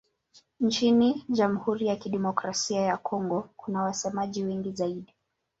Nchini Jamhuri ya Kidemokrasia ya Kongo kuna wasemaji wengi zaidi.